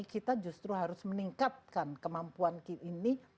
kita justru harus meningkatkan kemampuan ini